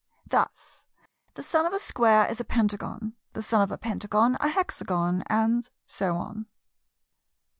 Thus the son of a Square is a Pentagon; the son of a Pentagon, a Hexagon; and so on.